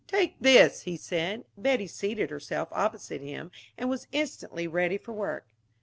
"Take this," he said... Betty seated herself opposite him, and was instantly ready for work.